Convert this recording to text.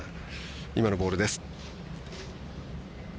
今のボールです。